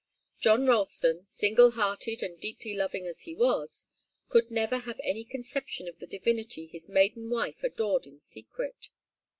John Ralston, single hearted and deeply loving as he was, could never have any conception of the divinity his maiden wife adored in secret.